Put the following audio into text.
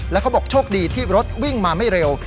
แล้วเขาบอกโชคดีที่รถวิ่งมาไม่เร็ว